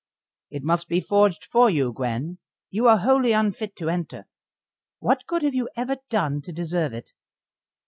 "It must be forged for you, Gwen. You are wholly unfit to enter. What good have you ever done to deserve it?"